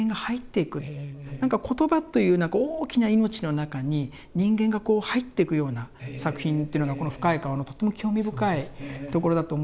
言葉という大きな命の中に人間が入っていくような作品っていうのがこの「深い河」のとっても興味深いところだと思うんですよね。